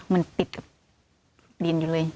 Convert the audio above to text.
มันติดกับดินอยู่เลย